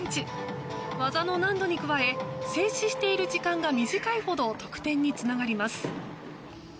技の難度に加え静止している時間が短いほど得点につながります。